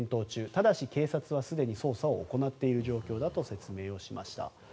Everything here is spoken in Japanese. ただし警察はすでに捜査を行っている状況だと説明をしました。